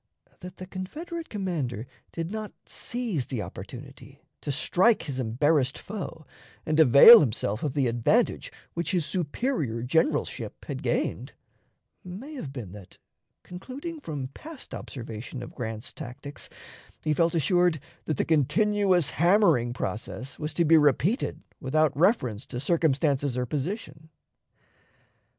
That the Confederate commander did not seize the opportunity to strike his embarrassed foe and avail himself of the advantage which his superior generalship had gained, may have been that, concluding from past observation of Grant's tactics, he felt assured that the "continuous hammering" process was to be repeated without reference to circumstances or position.